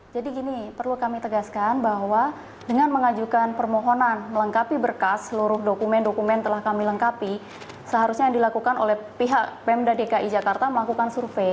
jadi gini perlu kami tegaskan bahwa dengan mengajukan permohonan melengkapi berkas seluruh dokumen dokumen telah kami lengkapi seharusnya yang dilakukan oleh pihak pemda dki jakarta melakukan survei